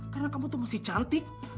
karena kamu itu masih cantik